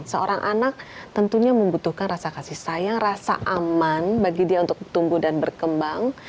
seorang anak tentunya membutuhkan rasa kasih sayang rasa aman bagi dia untuk tumbuh dan berkembang